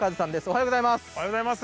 おはようございます。